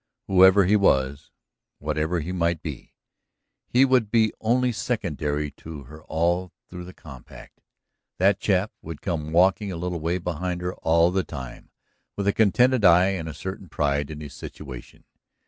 Whoever he was, whatever he might be, he would be only secondary to her all through the compact. That chap would come walking a little way behind her all the time, with a contented eye and a certain pride in his situation.